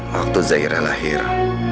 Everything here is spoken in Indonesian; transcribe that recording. waktu zahira lahir